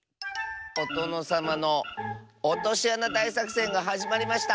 「おとのさまのおとしあなだいさくせんがはじまりました。